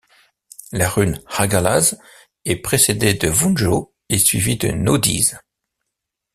La rune Hagalaz est précédée de Wunjō et suivi de Naudiz.